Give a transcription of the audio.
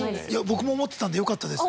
僕も思ってたんでよかったです。